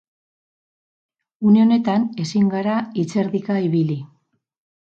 Une honetan ezin gara hitzerdika ibili.